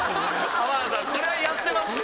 浜田さんこれはやってます。